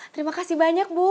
terima kasih banyak bu